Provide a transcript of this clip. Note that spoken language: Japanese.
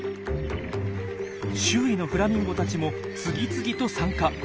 周囲のフラミンゴたちも次々と参加。